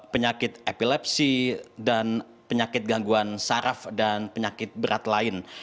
penyakit epilepsi dan penyakit gangguan saraf dan penyakit berat lain